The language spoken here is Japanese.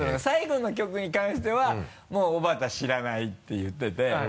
最後の曲に関してはもう小幡知らないって言ってて。